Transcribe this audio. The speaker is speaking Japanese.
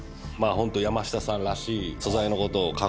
本当山下さんらしい